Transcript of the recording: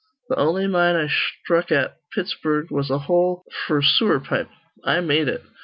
Th' on'y mine I sthruck at Pittsburgh was a hole f'r sewer pipe. I made it.